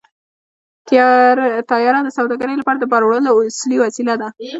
طیاره د سوداګرۍ لپاره د بار وړلو اصلي وسیله ده.